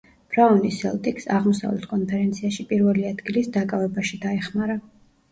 ბრაუნი სელტიკსს აღმოსავლეთ კონფერენციაში პირველი ადგილის დაკავებაში დაეხმარა.